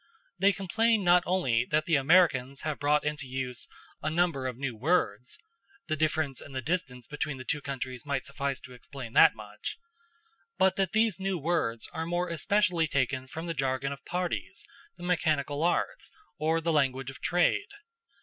They complain not only that the Americans have brought into use a number of new words the difference and the distance between the two countries might suffice to explain that much but that these new words are more especially taken from the jargon of parties, the mechanical arts, or the language of trade.